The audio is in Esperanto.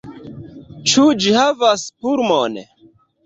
Ĉu ĝi havas pulmon?